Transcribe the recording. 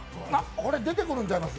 これ出てくるんちゃいます？